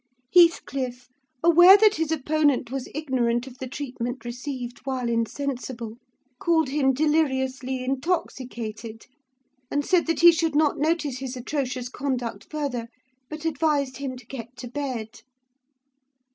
Heathcliff, aware that his opponent was ignorant of the treatment received while insensible, called him deliriously intoxicated; and said he should not notice his atrocious conduct further, but advised him to get to bed.